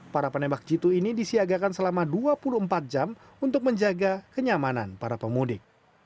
para penembak jitu ini disiagakan selama dua puluh empat jam untuk menjaga kenyamanan para pemudik